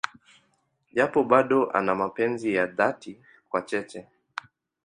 Japo bado ana mapenzi ya dhati kwa Cheche.